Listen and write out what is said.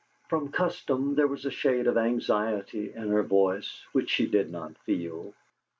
From custom there was a shade of anxiety in her voice which she did not feel.